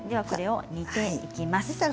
これを煮ていきます。